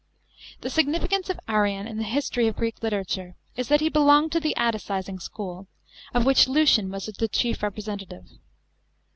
The significance of Arrian in the history of Greek literature is that he belonged to the Atticising school, of which Lucian was the chief representative.